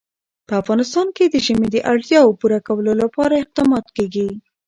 په افغانستان کې د ژمی د اړتیاوو پوره کولو لپاره اقدامات کېږي.